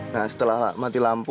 nah setelah mati lampu